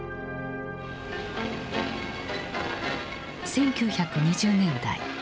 １９２０年代。